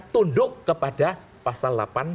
tunduk kepada pasal delapan